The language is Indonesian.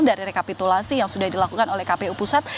dari rekapitulasi yang sudah dilakukan oleh kpu pusat